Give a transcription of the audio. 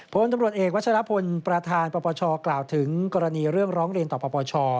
พลตำรวจเอกวัชลพลประธานปปชกล่าวถึงกรณีเรื่องร้องเรียนต่อปปช